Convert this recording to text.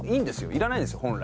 いらないですよ本来。